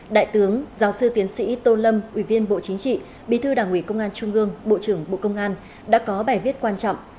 đại tướng giáo sư tiến sĩ tô lâm ủy viên bộ chính trị bí thư đảng ủy công an trung gương bộ trưởng bộ công an đã có bài viết quan trọng